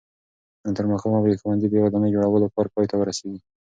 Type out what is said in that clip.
تر ماښامه به د ښوونځي د ودانۍ جوړولو کار پای ته ورسېږي.